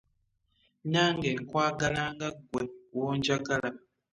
Nange nkwagala nga gwe wonjagala.